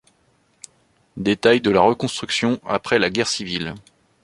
Détail de la reconstruction après la guerre civile.